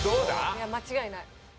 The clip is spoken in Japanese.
いや間違いない。